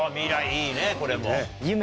いいねこれも。